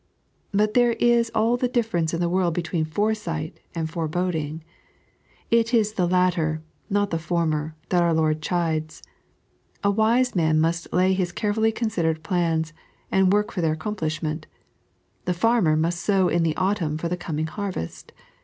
But there is all the difference in the world between foresight and foreboding. It is the latter, not the former, that our Iiord chides. A wise man must lay his carefully considered plans, and work for their accomplishment. The farmer must sow in the autumn for the coming harvest.